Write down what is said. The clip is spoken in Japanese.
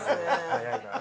早いな。